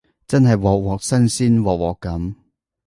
真係鑊鑊新鮮鑊鑊甘